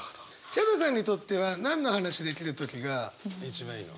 ヒャダさんにとっては何の話できる時が一番いいの？